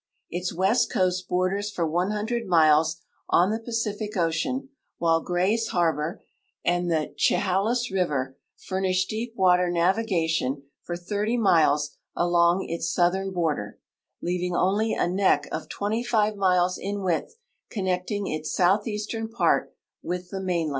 Its west coast borders for 100 miles on the Paeilic ocean, while firay's harbor and the Chehalis river furnish deep water naviga tion for .'>0 miles tilong its southern border, leaving only a nock of 25 miles in width connecting its southeastern part with the mainland. VOL.